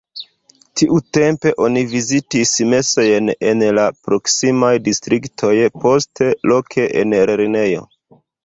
Tiutempe oni vizitis mesojn en la proksimaj distriktoj, poste loke en lernejo.